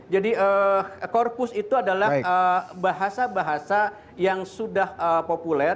jadi corpus itu adalah bahasa bahasa yang sudah populer